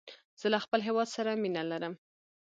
زه له خپل هیواد سره مینه لرم.